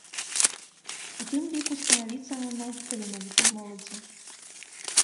У тым ліку станавіцца на ногі таленавітай моладзі.